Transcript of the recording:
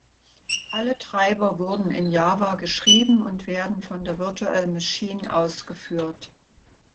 Alle Treiber wurden in Java geschrieben und werden von der Virtual Machine ausgeführt.